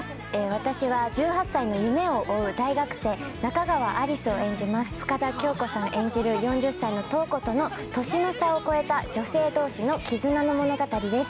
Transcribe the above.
私は１８歳の夢を追う大学生仲川有栖を演じます深田恭子さん演じる４０歳の瞳子との年の差を超えた女性同士の絆の物語です